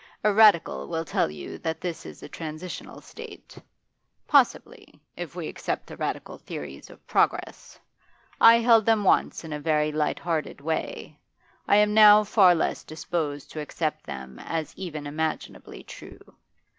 A Radical will tell you that this is a transitional state. Possibly, if we accept the Radical theories of progress. I held them once in a very light hearted way; I am now far less disposed to accept them as even imaginably true.